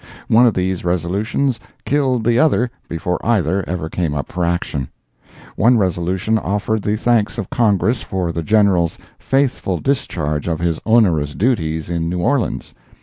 One of these resolutions killed the other before either ever came up for action. One resolution offered the thanks of Congress for the General's faithful discharge of his onerous duties in New Orleans.